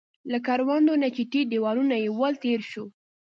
له کروندو نه چې ټیټ دیوالونه يې ول، تېر شوو.